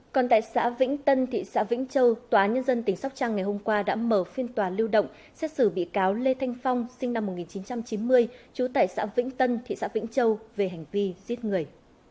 còn tại xã vĩnh tân thị xã vĩnh châu tòa nhân dân tỉnh sóc trăng ngày hôm qua đã mở phiên tòa lưu động xét xử bị cáo lê thanh phong sinh năm một nghìn chín trăm chín mươi trú tại xã vĩnh tân thị xã vĩnh châu về hành vi giết người